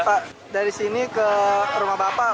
pak dari sini ke rumah bapak